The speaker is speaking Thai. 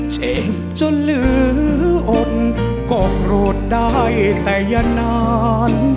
เจ็บจนเหลืออดก็โกรธได้แต่อย่านาน